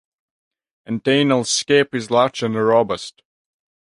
Antennal scape is large and robust.